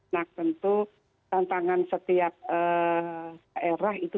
nah tentu tantangan setiap daerah itu